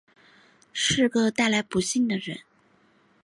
是个带来不幸的人